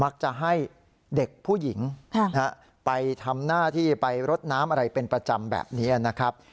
จะให้เด็กผู้หญิงไปทำหน้าที่ไปรดน้ำอะไรเป็นประจำแบบนี้นะครับ